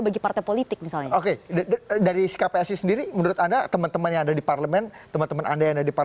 bagi partai politik misalnya